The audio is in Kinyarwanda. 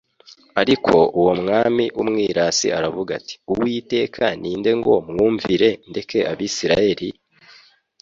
ariko uwo mwami w'umwirasi aravuga ati: «Uwiteka ni nde ngo mwumvire, ndeke Abisirayeli?